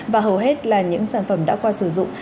và hầu hết là những sản phẩm đã qua sử dụng